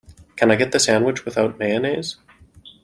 Can I get the sandwich without mayonnaise?